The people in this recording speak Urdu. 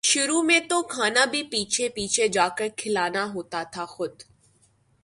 شروع میں تو کھانا بھی پیچھے پیچھے جا کر کھلانا ہوتا تھا خود